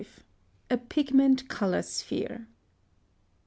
A PIGMENT COLOR SPHERE.